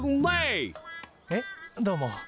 えっ？どうも。